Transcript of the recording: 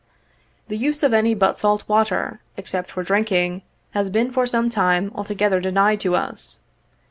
The use of any but salt water, except for drinking, has been, for some time, altogether denied to us.